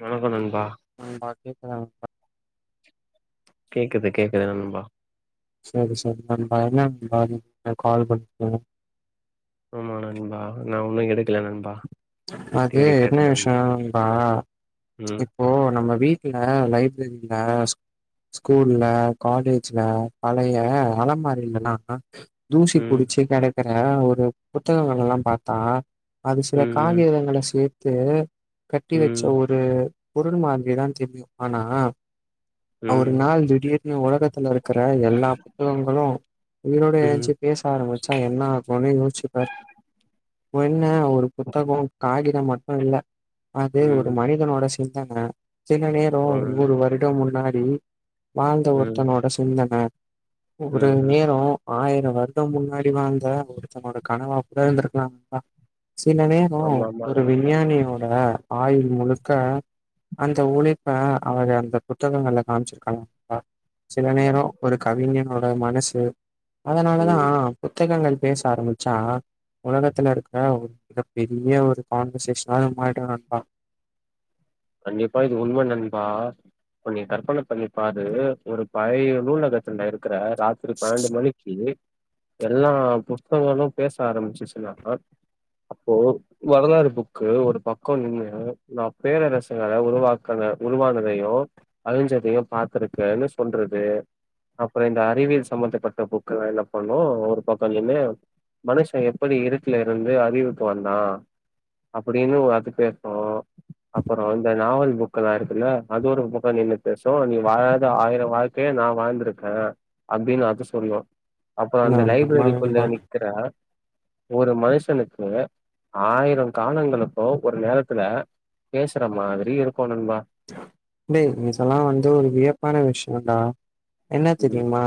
வணக்கோ தோழி [unintelligible] கேக்குது கேக்குது அன்பா செரி செரி நண்பா என்ன நண்பா கால் பண்ணு ஆமா நண்பா நா ஒண்ணும் எடுக்கல நண்பா அது தேடிட்டு என்ன இருக்கே நண் விஷ்யோனா நண்பா ம் இப்போ நம்ப வீட் இல்ல லைப்ரரில ஸ்கூல்ல காலேஜ்ல பழைய அலமாறிலெலா தூசி ம் புடிச்சி கெடக் கிறா ஒரு புத்தகங்களெல்லா பாத்தா ம் ம் காகிதங்கள சேத் து கட்டி வச்ச ம் ஒரு பொருள் மாதிரிதா தெரியு ஆனா ஒரு ம் நாள் திடீர்னு உலகத்துல இருக்குற எல்லா புத்தகங்களு உயிரோட ம் ஏஞ்ச்சி பேச ஆரம்பிச்சா என்ன ஆகுனு யோசிச்சுப்பாரு ஒன்ன புத்தகோ காடி மட்டு இல்ல அது ஒரு ம் மனிதனோட சிந் ஆமா சின்ன நேரோ ஒரு வருடோனு நா ம் வாழ்ந்த ம் ஒருத்தனோட சிந்தன ஒரு ம் ம் நேரோ ஆயிரோ வருடம் முன்னாடி வாழ்ந்தா ஒரு கனவா கூட இருந்துருக்கலா பா சில நேரோ ஆமா ஆமா ஒரு நண்பா விஞ்ஞானியோட ஆயுள் முழுக்க அந்த உழைப்ப அவங்க அந்த புத்தகங்கள்ல காம்ச்சிருக்காங்கபா சில ஆமா நேரோ ஒரு கவிஞன் மனசு அதனாலதா ம் புத்தகங்கள் பேச ஆரம்புச்சா ஒலகத்துல இருக்குற மிக பெரிய ஒரு கான்வர்சேஷனா மாறிடுவ நண்பா கண்டிப்பா இது உண்ம நண்பா இப்போ நீ கற்பன பண்ணி பாரு ஒரு பழைய நூலகத்துல இருக்குற ராத்துரு பன்னண்டு மணிக்கி எல்லா புஸ்தகங்களு பேச ஆரம்மிச்சுச்சுன்னா அப்போ வரலாறு ஃபுக்கு ஒரு பக்கொ நின்னு நா பேரரஸ் உருவாக்க உருவானதையு அழிஞ்சதையு பாத்துருக்கன்னு சொல்றது அப்புறோ இந்த அறிவியல் சம்பந்தப்பட்ட ஃபுக்கலா என்ன பண்ணு ஒரு பக்க நின்னு மனுஷ எப்படி இருட்டுல இருந்து அறிவுக்கு வந்தா அப்படின்னு அது பேசு அப்புற இந்த நாவல் ஃபுக்கல்லா இருக்குல்ல அது ஒரு ஃபுக்கா நின்னு பேசும் நீ வாழாத ஆயிர வாழ்க்கய நா வாழ்ந்திருக்க அப்டின்னு அது சொல்லு அப்பற அந்த ஆமா ஆமா லைப்ரரி பகுள்ள நண்பா நிக்கிற ஒரு மனுஷனுக்கு ஆயிரோ காலங்களுக்கோ ஒரு நேரத்துல பேசுற மாதுரி இரு நீ யூஸ்வலா வந்து ஒரு வியப்பான விஷ் ஓண்டா என்னா ம் தெரியுமா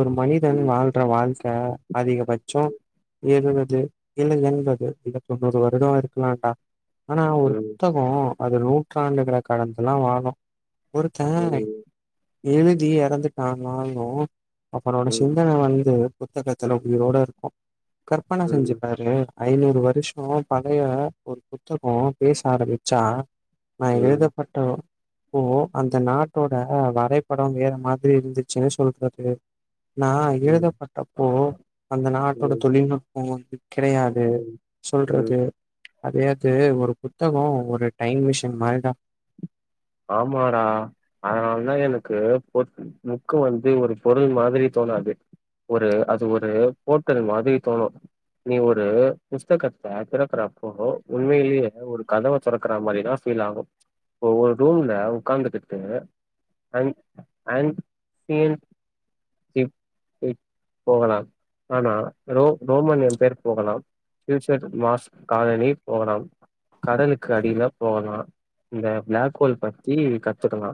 ஒரு மனிதன் ம் வாழ்ற வாழ்க் ரா அதிகபட்சோ இருவத் து இல்ல என்பது இல்ல தொண்ணூறு வருடொ இருக்குலான்டா ஆனா ஒரு ம் புத்தகோ அது நூற்றாண்டுகள கடந்துலா வாழு ஒருத்த ம் எழுதி எறந்துட்டானாலு அவரோட ம் சிந்தன வந்து புத்தகத்துல்ல உயிரோட இருக்கு கற்பன ம் செஞ்சுப்பாரு ஐநூறு வருஷோ பழைய ஒரு புத்தகம் பேச ஆரம்பிச்சா நா ம் எழுதப்பட்ட ப்போ அந்த நாட்டோட வ ரைப்படம் வேற மாதிரி இருந்துச்சுன்னு சொல்றது நா ம் எழுதப்பட்டப்போ அந்த நாட்டோட ம் தொழில்நுட் போ வந்து கிடையாது ம் ம் சொல்றது அதயாச்சு ஒரு புத்தகோ ஒரு டைம் மிஷின் மாரிடா ஆமாடா அதனால தா எனக்கு பொ ஃபுக்கு வந்து ஒரு பொருள் மாதுரி தோணாது ஒரு அது ஒரு ஹோட்டல் மாதுரி தோணு நீ ஒரு புஸ்தகத்த தொறக்குறப்போ உண்மையிலேயே ஒரு கதவ தொறக்குற மாதுரிதா ஃபீல் ஆகு ஒவ்வொரு ரூம்ல உக்காந்துகுட்டு [inaudible] போகலா ஆனா ரோமானிய பேர் போகலா யூ ஷேட் மார்ஸ் காலனி போகலா கடலுக்கு அடியில போகலா இந்த ப்ளேப் கோல் பத்தி கத்துக்கலா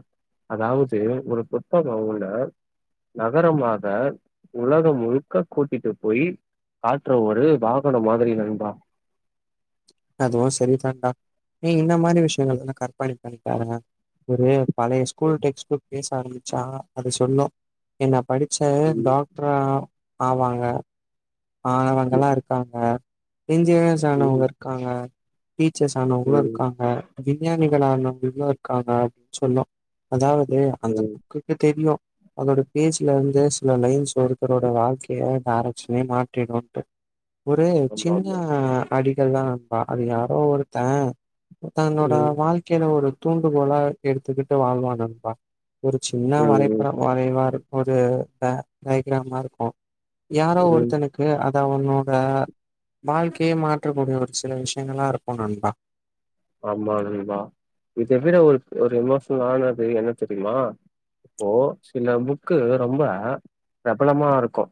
அதாவுது ஒரு புத்தகஉள்ள நகரமாக உலக முழுக்க கூட்டிட்டு போயி காற்றுற ஒரு வாகன மாதுரி நண்பா அதுவு சரிதாண்டா நீ இந்த மாரி விஷ்யங்கள்ல்லா கற்பன பண்ணிப்பாருங்க ஒரு பழைய ஸ்கூல் டெக்ஸ் ஃபுக் பேஸ் ஆராமிச்சா அது சொல்லு என்ன படிச்சே ம் டாக்ட்ரா ஆவாங்க ஆனவங்கல்லா ம் இருக்காங்க இன்ஜினியர்ஸ் ஆனவங் இருக்காங்க டீச்சர்ஸ் ஆனவுங்ளு ம் இருக்காங்க விஞ்ஞானிகள் ஆனவங்களு இர்க்காங்க சொல்லு அதாவ்த் அந்த ம் ஃபுக்குக்கு தெரியு அதோட பேஜ்ல இருந்து சில லைன்ஸ் ஒருத்தரோட வாழ்க்கையை டைரக்ஷன்யே மாத்து கேக்கணுட்டு ஒரு ம் ஆமா சின்ன ஆமா அடி ல்லா அது யாரோ ஒருத்த தன்னோட ம் வாழ்க்கேலே ஒரு தூண்டுகோலா எடுத்துக்கிட்டு வாழ்வா நண்பா ஒரு சின்ன ம் வரைபடம் வரைவாரு ஒரு ட டய்க்ராம் மார்ருக்கு யாரோ ஒரு ம் [unintelligible] அது அவனோட வாழ்க்கியே மாற்றக்கூடிய ஒரு சில விஷ்யங்களா இருக்கு நண்பா ஆமா நம்பா இத விட ஒரு ஒரு எமோஷனல் ஆனது என்ன தெரியுமா இப்போ சில புக்கு ரொம்ப பிரபலமாருக்கு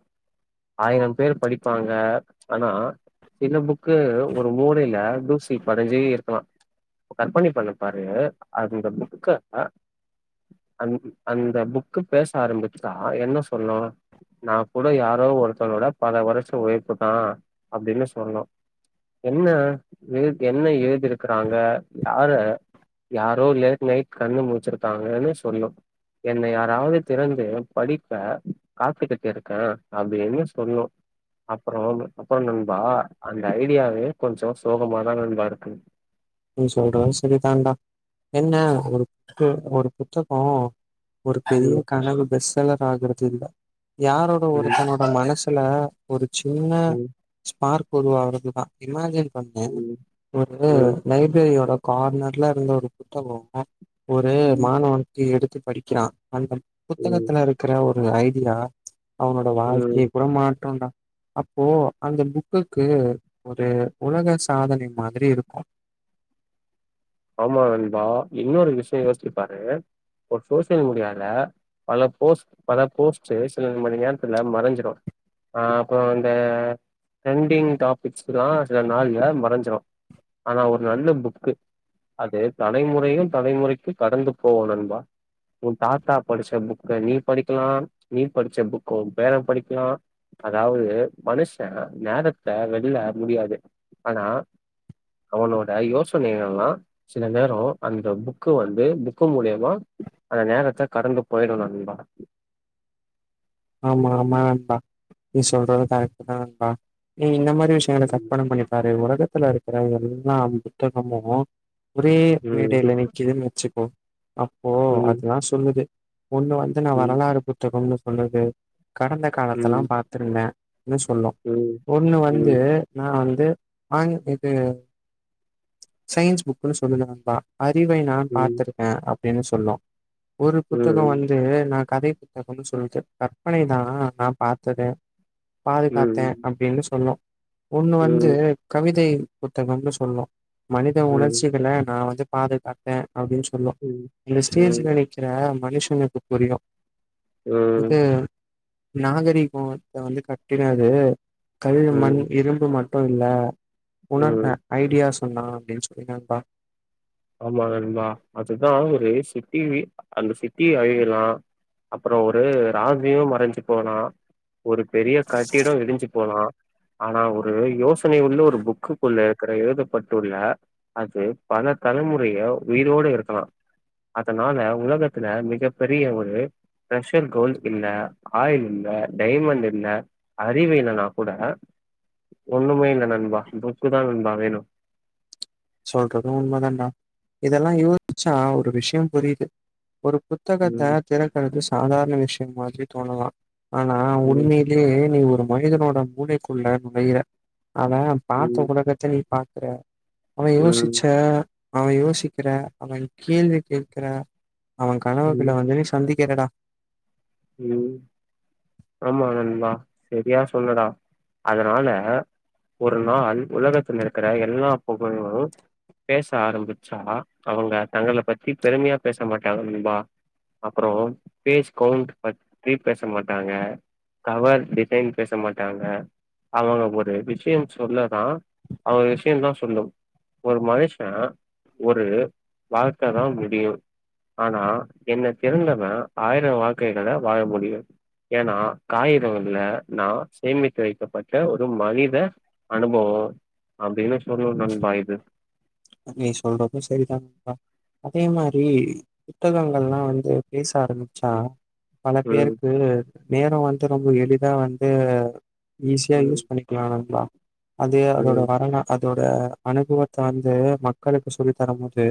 ஆயிரம் பேர் படிப்பாங்க ஆனா சில புக்கு ஒரு மூளையில தூசி படைஞ்சு இருக்கலா கற்பனை பண்ணி பாரு அந்த புக்கு அ அந்த அந்த புக்கு பேச ஆரம்பிச்சா என்ன சொல்லு நா கூட யாரோ ஒருத்தனோட பல வருஷோ உழைப்பு தா அப்டினு சொல்லு என்ன எ என்ன எழுதிருக் இருக்குறாங்க யார யாரோ லேட் நைட் கண்ணு முழுச்சிருக்காங்கனு சொல்லு என்னை யாராவ்து திறந்து படிக்க காத்துக்கிட்டுருக்கே அப்டீனு சொல்லு அப்புறோ [unintelligible] அப்புறோ நண்பா அந்த ஐடியாவே கொஞ்சோ சோகமாதா நண்பா இருக்கு நீ சொல்ற செரிதாண்டா என்ன ஒரு [unintelligible] ஒரு புத்தகோ ஒரு பெரிய ம் கனவு [unintelligible] ஆகறது ச்ச் இல்ல யாரோட ம் ஒருத்தனோட மனசு இல்ல ஒரு சின்ன ம் ஸ்பார்க் [unintelligible] பண்ண ம் ஒரு ம் லைப்ரரியோட கார்னர்ல இருந்து ஒரு புத்தகோ அ ஒரு ம் மாணவன்க்கு எடுத் படிக்கிறா அந்த ம் புத்தகத்துல இருக்கிற ஒ ரு ஐடியா அவனோட வாய்ஸ் ம் கேக்கூட மாட்டோண்டா அப்போ அந்த புக்குக்கு ஒரு உலக சாதனை மாதிரி இருக்கூ ஆமா நண்பா இன்னொரு விஷ்யோ யோஸ்ச்சு பாரு ஒரு சோசியல் மீடியால பல போஸ் பல போஸ்ட்டு சில மணி நேரத்துல மறஞ்சுடு ஆ அப்றோ அந்த ட்ரெண்டிங் டாபிக்ஸ்ல்லா சில நாள்ல மறஞ்சுடு ஆனா ஒரு நல்ல புக்கு அது தலைமுறையு தலைமுறைக்கு கடந்து போவு நண்பா உன் தாத்தா படிச்ச புக்க நீ படிக்கலா நீ படிச்ச புக்க உ பேர படிக்கலா அதாவது மனுஷே நேரத்த வெள்ள முடியாது ஆனா அவனோட யோசனைகல்லா சில நேரோ அந்த புக்கு வந்து புக்கு மூலியமா அந்த நேரத்த கடந்து போய்டு நண்பா ஆமா ஆமா நண்பா நீ சொல்றது கரக்டுதா ண்பா நீ இந்த மாரி ரி விஷயங்கள ம் கற்பன பண்ணிப்பாரு உனக் க்கத்துல இருக்கற எல்லா புத்தகமு ஒரே ம் மேடைல நிக்குதுன் வெச்சுப்போ அப்போ அதுலா சொல்லுது ஒண்ணு வந்து நா ம் வரலாறு புத்தகம் னு சொல்லு ம் கடந்த காலத்தல்லா ம் பாத்துருந்தே னு சொல்லு ம் ஒண்ணு வந்து ம் நா வந் து ஆங் இது சயின்ஸ் புக்ணு சொல்லுவ நண்பா அறிவை நான் ம் பார்த்துருக்க அப்டின்னு சொல்லு ஒரு புத்தகோ ம் வந்து நா கதை புத்தகம்ன்னு சொல்லுது கற்பனை தா நா பாத்தது பாதி ம் பாத்தே ம் அப்டின்னு சொல்லு ஒண்ணு வந்து ம் கவிதை புத்தகம்னு சொல்லு மனிதன் ம் உணர்ச்சிகள நா வந்து பாதுகாத்தே அப்டின்னு சொல்லு அந்த ம் ஸ்டேஜ்ல நிக்கிற மனுஷனுக்கு புரியு இது நாகரீகோ இத வந்து கட்டினது கல் ம் மண் ம் இரும்பு மற் மட்டு இல்ல உனர் ம் ன ஐடியாஸ் சொன்னா அப்படின்னு சொல்லி நண்பா ஆமா நண்பா அதுதா ஒரு சிட்டி அந்த சிட்டி அழியலா அப்புற ஒரு நாகரிக மறைஞ்சு போலா ஒரு பெரிய கட்டிட இடிஞ்சு போலா ஆனா ஒரு யோச னை உள்ள ஒரு புக்கு குள்ள ஒரு எழுதப்பட்டுள்ள அது பணத் தலைமுறைய உயிரோட இருக்கலா அதனால உலகத்துல மிகப்பெரிய ஒரு ட்ரெஷர் கோல்ட் இல்ல ஆயில் இல்ல டைமண்ட் இல்ல அறிவு இல்லைன்னா கூட ஒண்ணுமே இல்ல நண்பா புக்குதா நண்பா வேணு சொல்றதும் உண்மதாண்டா இதெல்லா யோசிச்சா ஒரு விஷயம் புரியுது ஒருப் புத்தகத்த ம், திறக்கறது சாதாரண விஷயம் மாதிரி தோணுலா ஆனா ம், உண்மையிலயே நீ ஒரும் மனிதனோட மூளைக்குள்ள நுழையிற அவ பாத்த ம், உலகத்த நீ பாத் ர அவ யோசிச்ச ம், அவ யோசிக்கிற அவன் கேள்வி கேட்கிற அவ கனவுகுள்ள ம், வந்து நீ சந்திக்கிறடா ம், ஆமா நண்பா சரியா சொன்னடா அதனால ஒரு நாள் உலகத்துல இருக்கிற எல்லா புகழு பேச ஆரம்பிச்சா அவங்க தங்கள பத்தி பெருமையா பேச மாட்டாங்க நண்பா அப்பறோ பேஸ் கவுண்ட் பத்தி பேசமாட்டாங்க கவர் டிசைன் பேச மாட்டாங்க அவங்க ஒரு விஷய சொல்லதா அவங்க விஷயந்தா சொல்லும் ஒரு மனுஷ ஒரு வாழ்க்கைதா முடியு ஆனா என்ன திறந்தவ ஆயிர வாழ் க்கைகள வாழ முடியு ஏன்னா காகிதங்கள்ல நா சேமித்து வைக்கப்பட்ட ஒரு மனித அனுபவோ அப்டின்னு சொல்லு நண்பா இது நீ சொல்றதும் சரிதா நண்பா அதே மாரி புத்தகங்கள்லா வந்து பேச ஆரம்பிச்சா பல ம் பேருக்கு நேரோ வந்து ரொம்ப எளிதா வந்து ஈஸியா ம் யூஸ் பண்ணிக்கலா நண்பா அது அதோட ம் வரலா அதோட இந்த அனுபவத்தா இது மக்களுக்கு சொல்லி தர முடி து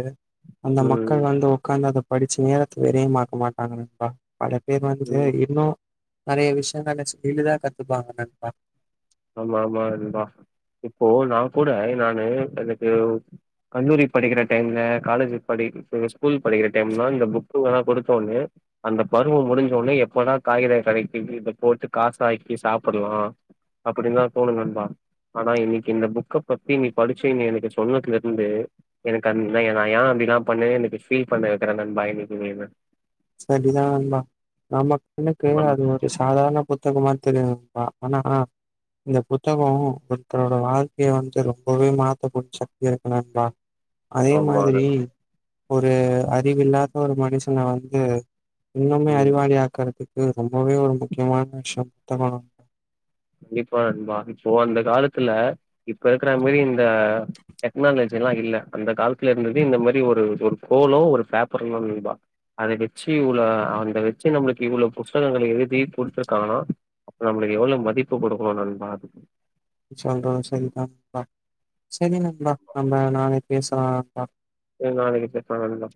அந்த மக்கள் ம் வந்து உக்காந்து அத படிச்சு நேரத்த விரையமாக்க மாட்டாங்க நண்பா பல பேர் வந்துட்டு ம் இன்னு நறைய விஷ்யங்கள்ள ஸ்கிலுதா கத்துப்பாங்க நண்பா ஆமா ஆமா அதுதா இப்போ நா கூட நானு எனக்கு கல்லூரி படிக்கிற டைம்ல காலேஜ் படிக்கற ஸ்கூல் படிக்கிற டைம்லா இந்த புக்குங்கல்லாம் குடுத்தோனே அந்த பருவம் முடிஞ்சோடனே எப்பதா காகித கடக்கு இத போட்டு காச ஆக்கி சாப்புட்லா அப்படிலா தோணு நண்பா ஆனா இன்னக்கு இந்த ஃபுக்க பத்தி நீ படிச்சு இன் எனக்கு சொன்னதுலேருந்து எனக்கு அந்த நா ஏ அப்டிலா பண்ணே எனக்கு ஃபீல் பண்ண வெக்கிற நண்பா இன்னக்கு நீனு சரிதா நண்பா நாம எனக்கு ஆமா அது நண்பா. ஒரு சாதார்ண புத் புத்தகமா தெரியலம்பா ஆனா இந்த புத்தகம் ஒருத்தரோட வாழ்க்கய வந்து ரொம்பவே மாத்தக்கூடிய சக்தி இருக்கு நண்பா அதே ஆமா மாதுரி நண் ஒரு அறிவில்லாத ஒரு மனுஷன வந்து து இன்னுமே ம். அறிவாளி ஆக்கற்து இது ரொம்பவே ஒரு முக்யமான விஷ்யோ தமா கண்டிப்பா நண்பா இப்போ அந்த காலத்துல இப்ப இருக்குற மரி இந்த டெக்னாலஜ் ஜி இல்ல அந்த காலத்துல இருந்தது இந்த மாரி ஒரு ஒரு கோலோ ஒரு பேப்பருதா நண்ப அத வெச்சு உள்ள அதுல வெச்சு நம்மளுக்கு இவ்ளவு புஸ்தகங்கள் எழுதி குடுத்துருக்காங்கனா அப் நம்ப்ளுக்கு எவ்ளோ மதிப் பு குடுக்குணு நண்பா நீ சொல்றது சரிதா நண்பா சரி நன்பா நம்ம நாளக்கி பேசலா நண்பா சேர் நாளக்கி பேஸ்லா நண்பா